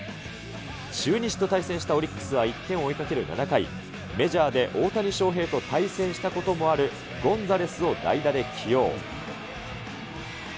中日と対戦したオリックスは１点を追いかける７回、メジャーで大谷翔平と対戦したこともある、ゴンザレスを代打で起用。